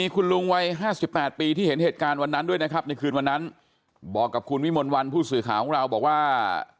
คุณลุงไว๕๘ปีเห็นเหตุการณ์วันนั้นด้วยนะครับเบาออกกับคุณวิมวัลวันผู้สื่อขาวของเราบอกว่า